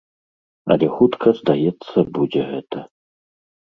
Але хутка, здаецца, будзе гэта.